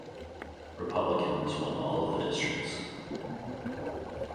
Republicans won all of the districts.